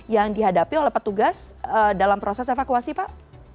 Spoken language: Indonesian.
yang dihadapi oleh petugas dalam proses evakuasi pak